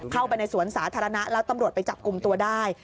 เข้าไปในสวนสาธารณะแล้วตำรวจไปจับกลุ่มตัวได้